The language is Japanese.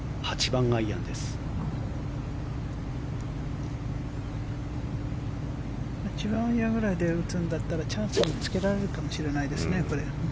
８番アイアンぐらいで打つんだったらチャンスにつけられるかもしれないですね。